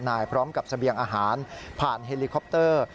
พร้อมกับเสบียงอาหารผ่านเฮลิคอปเตอร์